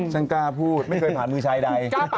สงเกล้าพูดไม่เคยผ่านมือใช้ใด